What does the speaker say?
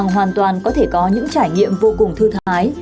hoàn toàn có thể có những trải nghiệm vô cùng thư thái